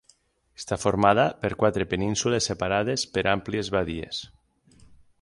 Està formada per quatre penínsules separades per àmplies badies.